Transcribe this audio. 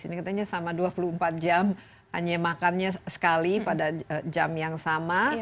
karena saya sama dua puluh empat jam hanya makannya sekali pada jam yang sama